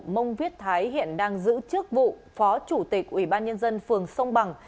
mông viết thái hiện đang giữ chức vụ phó chủ tịch ủy ban nhân dân phường sông bằng